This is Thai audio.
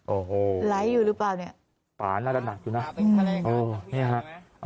โอ้โหไหลอยู่หรือเปล่าเนี่ยป่าน่าจะหนักอยู่นะเออเนี่ยฮะ